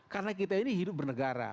karena kita ini hidup bernegara